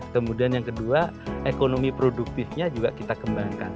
kemudian yang kedua ekonomi produktifnya juga kita kembangkan